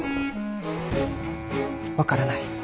分からない。